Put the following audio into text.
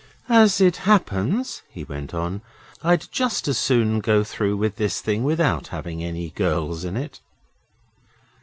'As it happens,' he went on, 'I'd just as soon go through with this thing without having any girls in it.